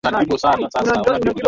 Damu yake na sadaka nategemea daima